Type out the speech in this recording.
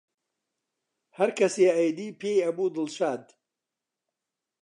هەرکەسێ ئەیدی پێی ئەبوو دڵشاد